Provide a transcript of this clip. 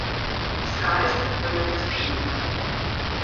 Skaista rudens diena.